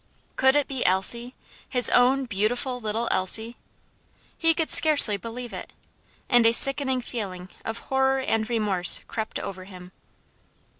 Could it be Elsie, his own beautiful little Elsie? He could scarcely believe it, and a sickening feeling of horror and remorse crept over him.